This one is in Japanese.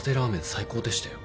最高でしたよ。